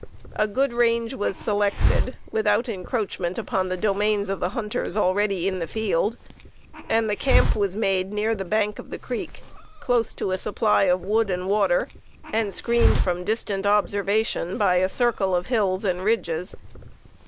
A good range was selected, without encroachment upon the domains of the hunters already in the field, and the camp was made near the bank of the creek, close to a supply of wood and water, and screened from distant observation by a circle of hills and ridges.